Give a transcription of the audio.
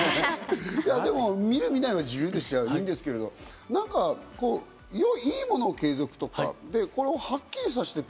見る、見ないは自由だからいいんですけど、いいものを継続とか、はっきりさせていく。